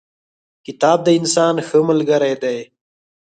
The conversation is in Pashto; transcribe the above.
کتاب د انسان ښه ملګری دی.